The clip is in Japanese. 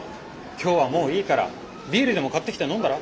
今日はもういいからビールでも買ってきて飲んだら？